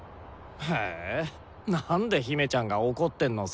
えなんで姫ちゃんが怒ってんのさ。